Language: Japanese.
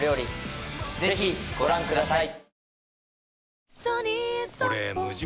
ぜひご覧ください